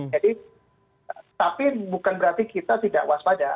jadi tapi bukan berarti kita tidak waspada